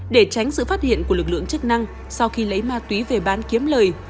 để tránh sự phát hiện của lực lượng chức năng sau khi lấy ma túy về bán kiếm lời